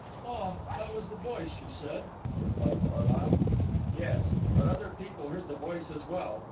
"Ah, that was the voice, you said," replied Carlyle. "Yes; but other people heard the voice as well.